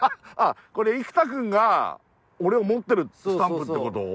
これ生田くんが俺を持ってるスタンプって事？